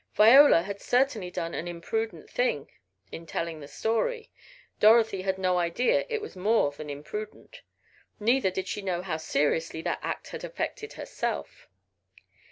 Viola had certainly done an imprudent thing in telling the story, Dorothy had no idea it was more than imprudent; neither did she know how seriously that act had affected herself.